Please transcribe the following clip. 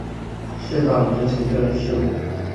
适当之行政事务